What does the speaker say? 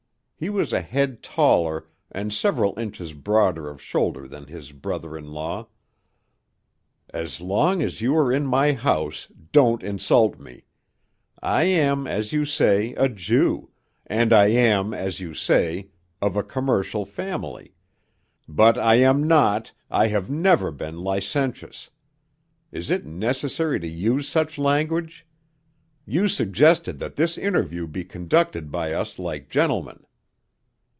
He was a head taller and several inches broader of shoulder than his brother in law. "As long as you are in my house, don't insult me. I am, as you say, a Jew, and I am, as you say, of a commercial family. But I am not, I have never been licentious. Is it necessary to use such language? You suggested that this interview be conducted by us like gentlemen."